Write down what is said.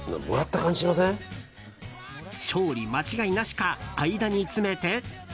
勝利間違いなしか間に詰めて。